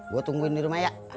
gue tungguin di rumah ya